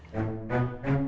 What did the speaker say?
gak kecanduan hp